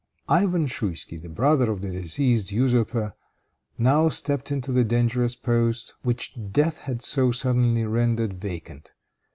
Ivan Schouisky, the brother of the deceased usurper, now stepped into the dangerous post which death had so suddenly rendered vacant.